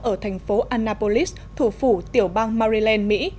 ở thành phố anapolis thủ phủ tiểu bang maryland mỹ